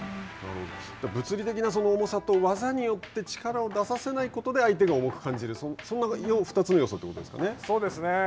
物理的な重さと技によって力を出させないことで相手が重く感じるそんな２つの要素ということですそうですね。